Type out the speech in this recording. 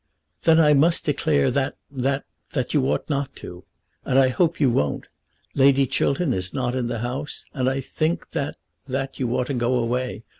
"Then I must declare that that that you ought not to. And I hope you won't. Lady Chiltern is not in the house, and I think that that you ought to go away.